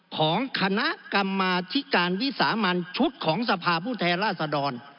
ของคณะกรรมาธิการวิสามันชุดของสภาพผู้แทนราษดร